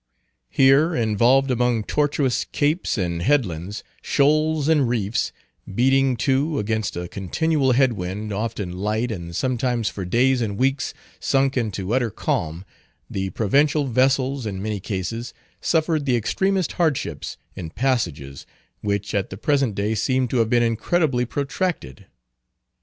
Here, involved among tortuous capes and headlands, shoals and reefs, beating, too, against a continual head wind, often light, and sometimes for days and weeks sunk into utter calm, the provincial vessels, in many cases, suffered the extremest hardships, in passages, which at the present day seem to have been incredibly protracted.